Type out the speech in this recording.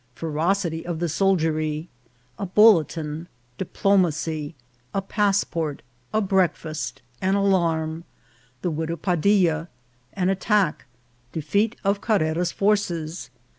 — Ferocity of the Soldiery. — A Bulletin.— Diplomacy. — A Passport. — A Breakfast.— An Alarm.— The Widow Padilla.— An Attack. — De feat of Carrera's Forces.